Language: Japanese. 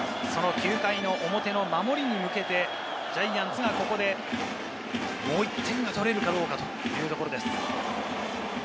９回の表の守りに向けて、ジャイアンツがここでもう１点を取れるかどうかというところです。